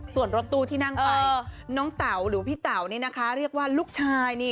ส่วนรถตู้ที่นั่งไปน้องเต๋าหรือพี่เต๋านี่นะคะเรียกว่าลูกชายนี่